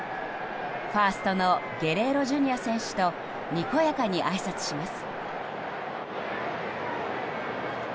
ファーストのゲレーロＪｒ．選手とにこやかにあいさつします。